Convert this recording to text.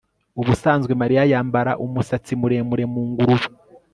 Ubusanzwe Mariya yambara umusatsi muremure mu ngurube